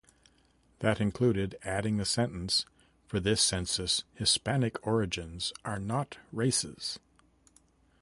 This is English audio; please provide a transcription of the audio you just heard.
That included adding the sentence: For this census, Hispanic origins are not races.